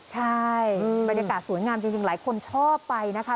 ใช่บรรยากาศสวยงามจริงหลายคนชอบไปนะคะ